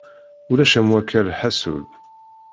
Ulac am wakka lḥasul.